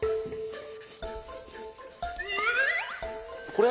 これ？